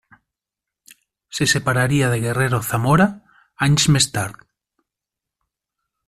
Se separaria de Guerrero Zamora anys més tard.